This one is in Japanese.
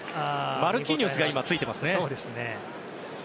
マルキーニョスが今ついています。